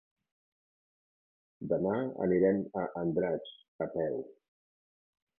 Demà anirem a Andratx a peu.